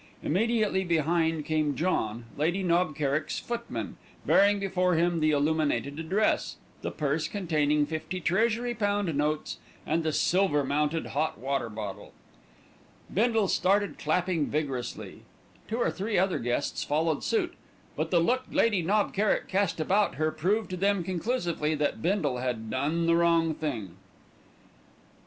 Immediately behind came John, Lady Knob Kerrick's footman, bearing before him the illuminated address, the purse containing fifty Treasury pound notes, and the silver mounted hot water bottle. Bindle started clapping vigorously. Two or three other guests followed suit; but the look Lady Knob Kerrick cast about her proved to them conclusively that Bindle had done the wrong thing.